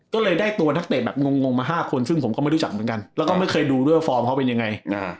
ก็เลยได้ตัวนักเตะแบบงงมา๕คนซึ่งผมก็ไม่รู้จักเหมือนกันแล้วก็ไม่เคยดูด้วยฟอร์มเขาเป็นยังไง